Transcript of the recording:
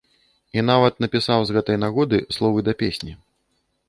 І нават напісаў з гэтай нагоды словы да песні.